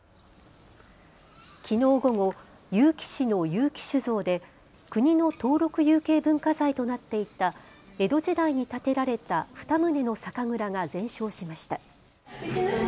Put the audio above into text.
きのう午後、結城市の結城酒造で国の登録有形文化財となっていた江戸時代に建てられた２棟の酒蔵が全焼しました。